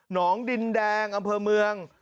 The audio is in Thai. องดินแดงอำเภอเมือง